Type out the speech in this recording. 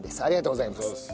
ありがとうございます。